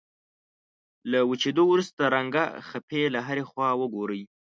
له وچېدو وروسته رنګه خپې له هرې خوا وګورئ.